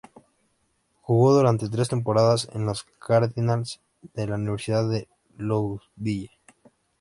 Jugó durante tres temporadas en los "Cardinals" de la Universidad de Louisville.